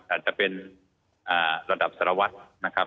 อาจจะเป็นระดับสารวัตรนะครับ